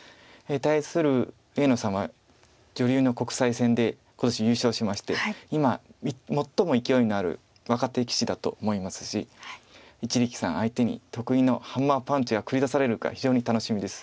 対する上野さんは女流の国際戦で今年優勝しまして今最も勢いのある若手棋士だと思いますし一力さん相手に得意のハンマーパンチが繰り出されるか非常に楽しみです。